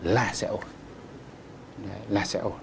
là sẽ ổn